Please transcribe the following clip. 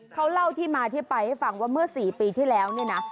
เขาเล่าที่มาที่ไปให้ฟังว่าเมื่อ๔ปีที่แล้วเนี่ยนะ